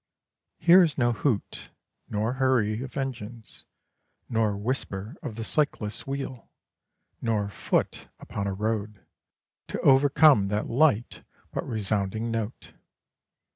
Here is no hoot, nor hurry of engines, nor whisper of the cyclist's wheel, nor foot upon a road, to overcome that light but resounding note.